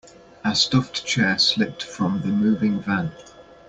A stuffed chair slipped from the moving van.